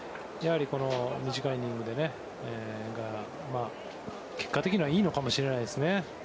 短いイニングが結果的にはいいのかもしれませんね。